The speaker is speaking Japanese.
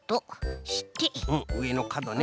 うんうえのかどね。